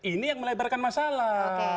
ini yang melebarkan masalah